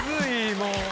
もう。